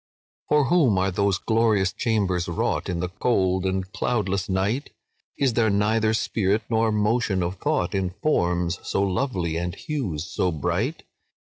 "For whom are those glorious chambers wrought, In the cold and cloudless night? Is there neither spirit nor motion of thought In forms so lovely and hues so bright?